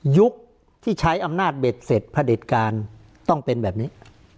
ยุคที่ใช้อำนาจเบ็ดเสร็จพระเด็จการต้องเป็นแบบนี้